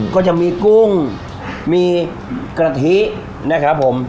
ก็จะมีกุ้งมีกะทินะครับผม